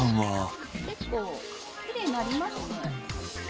結構きれいになりますね。